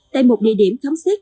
tại một địa điểm khám xét